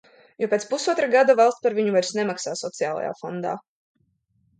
Jo pēc pusotra gada valsts par viņu vairs nemaksā sociālajā fondā.